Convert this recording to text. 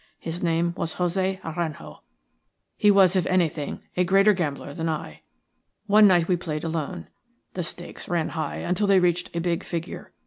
His name was José Aranjo. He was, if anything, a greater gambler than I. One night we played alone. The stakes ran high until they reached a big figure.